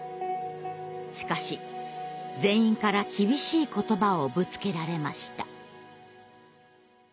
しかし全員から厳しい言葉をぶつけられました。